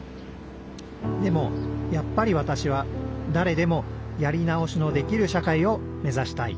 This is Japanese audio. でもやっぱりわたしはだれでもやり直しのできる社会を目指したい。